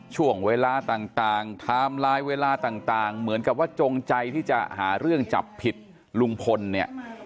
ช่วงเวลาต่างไทม์ไลน์เวลาต่างเหมือนกับว่าจงใจที่จะหาเรื่องจับผิดลุงพลเนี่ย